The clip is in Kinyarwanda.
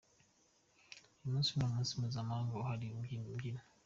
Uyu munsi ni umunsi mpuzamahanga wahariwe imbyino.